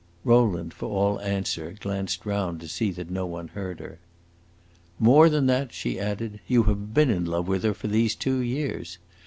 Rowland, for all answer, glanced round to see that no one heard her. "More than that," she added, "you have been in love with her these two years.